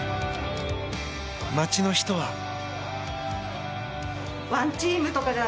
街の人は。